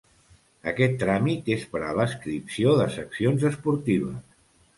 Aquest tràmit és per a l'adscripció de seccions esportives.